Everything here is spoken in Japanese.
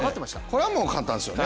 これはもう簡単ですよね。